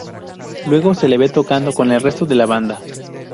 Luego se le ve tocando con el resto de la banda.